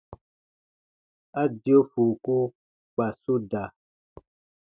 A dio fuuku kpa su da.